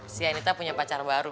si anita punya pacar baru